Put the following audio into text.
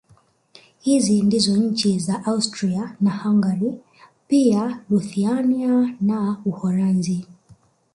Hizi ndizo nchi za Austria na Hungari pia Lithuania na Uholanzi